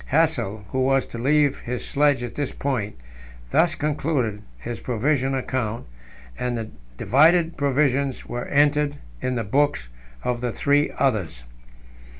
Hassel, who was to leave his sledge at this point, thus concluded his provision account, and the divided provisions were entered in the books of the three others.